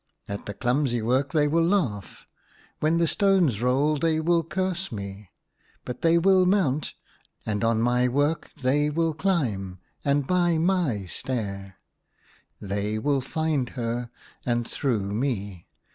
At the clumsy work they will laugh ; when the stones roll they will curse 4 50 THE HUNTER. me. But they will mount, and on my work ; they will climb, and by my stair ! They will find her, and through m.e